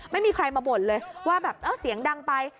ไม่มีใครมาบ่นเลยว่าแบบเออเสียงดังไป